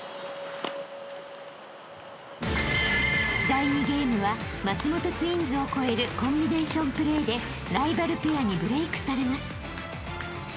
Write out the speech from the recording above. ［第２ゲームは松本ツインズを超えるコンビネーションプレーでライバルペアにブレイクされます］